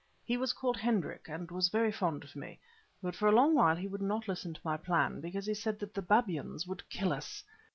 He was called Hendrik, and was very fond of me; but for a long while he would not listen to my plan, because he said that the babyans would kill us.